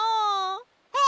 えっ？